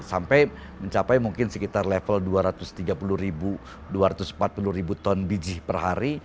sampai mencapai mungkin sekitar level dua ratus tiga puluh dua ratus empat puluh ton biji per hari